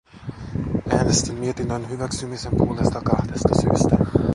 Äänestin mietinnön hyväksymisen puolesta kahdesta syystä.